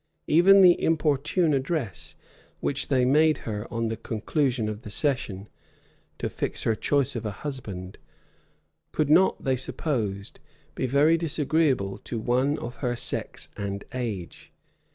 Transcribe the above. Even the importune address which they made her on the conclusion of the session, to fix her choice of a husband, could not, they supposed, be very disagreeable to one of her sex and age.